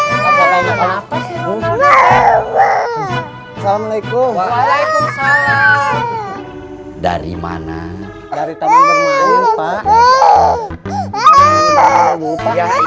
assalamualaikum waalaikumsalam dari mana dari tempat